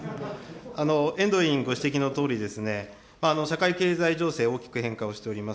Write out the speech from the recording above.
遠藤議員ご指摘のとおりですね、社会経済情勢、大きく変化をしております。